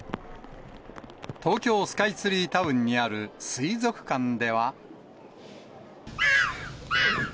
東京スカイツリータウンにある水族館では。